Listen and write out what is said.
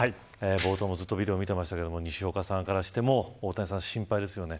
冒頭も、ずっとビデオ見ていましたが西岡さんからしても大谷さん、心配ですよね。